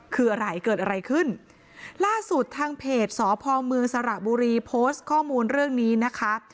คืออะไรเกิดอะไรขึ้นล่าสุดทางเพจสพเมืองสระบุรีโพสต์ข้อมูลเรื่องนี้นะคะ